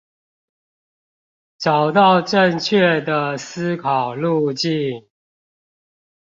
找到正確的思考路徑